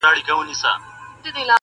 یو ګیدړ کښته له مځکي ورکتله-